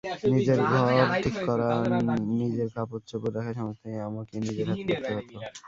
নিজের ঘর ঠিক করা, নিজের কাপড়চোপড় রাখা সমস্তই আমাকে নিজের হাতে করত হত।